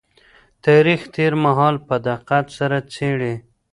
تاريخ تېر مهال په دقت سره څېړي.